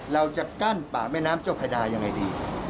เราจะกั้นป่าแม่น้ำเจ้าพระดายังไงดี